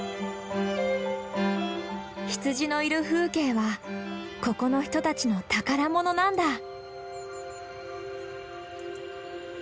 羊のいる風景はここの人たちの宝物なんだ。